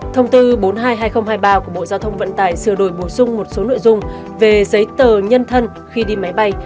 thông tư bốn trăm hai mươi hai nghìn hai mươi ba của bộ giao thông vận tải sửa đổi bổ sung một số nội dung về giấy tờ nhân thân khi đi máy bay